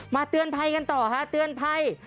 เตือนภัยกันต่อค่ะเตือนภัย